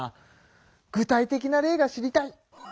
具体的な例が知りたい。